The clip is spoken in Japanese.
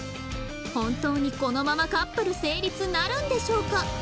本当にこのままカップル成立なるんでしょうか